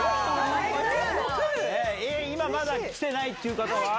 今まだ来てないっていう方は？